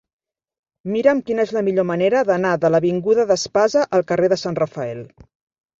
Mira'm quina és la millor manera d'anar de l'avinguda d'Espasa al carrer de Sant Rafael.